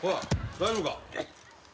大丈夫か？